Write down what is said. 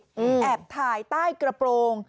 แอบถ่ายใต้กระโปรง